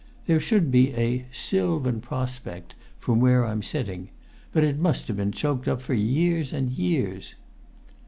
There should be a 'sylvan prospect' from where I'm sitting; but it must have been choked up for years and years."